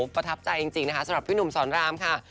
ประทับใจจริงนะคะสำหรับพี่หนุ่มสอนรามค่ะ